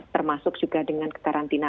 termasuk juga dengan kekarantinaan